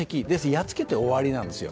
やっつけて終わりなんですよ。